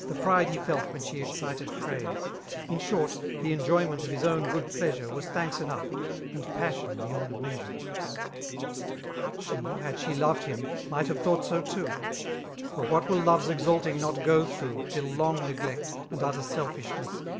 The pride he felt when she exdted praise, In short, the ^joyment of his own good pleasure,, Was thanks enough, and passion beyond measure. She, had she loved him, might have thought so too : For what wiJI k)ve's exalting not go tlirough. Till long neglect, and utter selfishness.